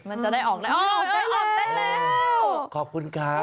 มันจะได้ออกละอ๋ออออบได้แล้ว